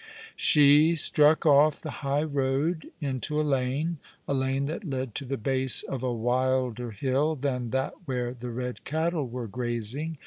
She struck off the high road into a lane, a lane that led to the base of a wilder hill than that where the red cattle were grazing.